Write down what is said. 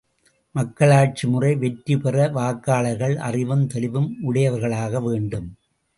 மக்களாட்சி முறை வெற்றி பெற வாக்காளர்கள் அறிவும் தெளிவும் உடையவர்களாக வேண்டும்.